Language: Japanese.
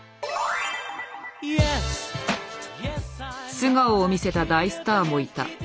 素顔を見せた大スターもいた。